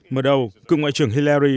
mở đầu cựu ngoại trưởng hillary